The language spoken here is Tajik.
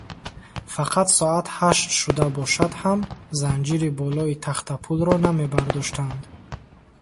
Фақат соат ҳашт шуда бошад ҳам, занҷири болои тахтапулро намебардоштанд.